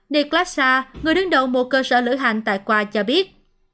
niklasa người đứng đầu một cơ sở lửa hành tại qua cho biết